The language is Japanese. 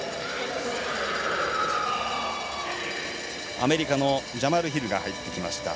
アメリカのジャマル・ヒルが入ってきました。